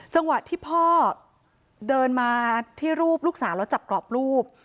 จังหวะที่พ่อเดินมาที่รูปลูกสาวแล้วจับกรอบรูป